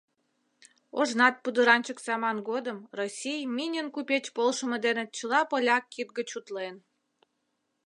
Ожнат пудыранчык саман годым Россий Минин купеч полшымо дене чыла поляк кид гыч утлен.